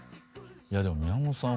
いやでも宮本さん